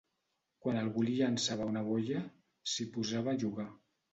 Quan algú li llançava una boia, s'hi posava a jugar.